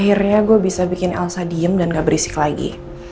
akhirnya gue bisa bikin elsa diem dan gak berisik lagi